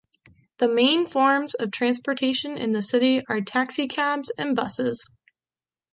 The main forms of transportation in the city are taxi cabs and buses.